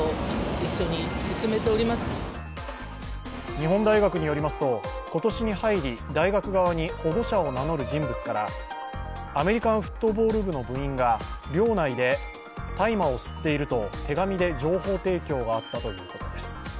日本大学によりますと今年に入り大学側に保護者を名乗る人物からアメリカンフットボール部の部員が寮内で大麻を吸っていると手紙で情報提供があったということです。